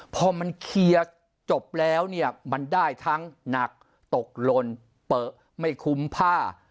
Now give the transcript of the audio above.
พอมันเคลียร์จบแล้วเนี่ยมันได้ทั้งหนักตกลนเปลือไม่คุ้มผ้า